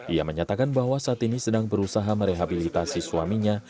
ia menyatakan bahwa saat ini sedang berusaha merehabilitasi suaminya